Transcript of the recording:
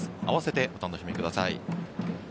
併せてお楽しみください。